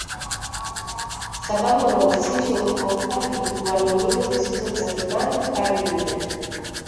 sababu unahusisha ukopaji wa nomino zisizo za kibantu hadi lugha